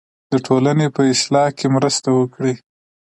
د ټولنې په اصلاح کې مرسته وکړئ.